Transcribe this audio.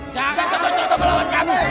jangan kebosotan melawan kami